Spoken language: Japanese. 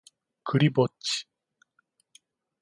クリぼっち